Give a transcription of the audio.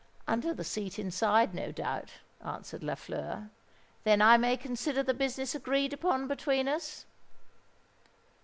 "Under the seat inside, no doubt," answered Lafleur. "Then I may consider the business agreed upon between us?"